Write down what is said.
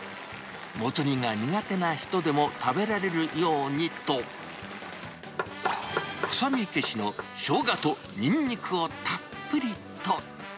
モツ煮が苦手な人でも食べられるようにと、臭み消しのしょうがとにんにくをたっぷりと。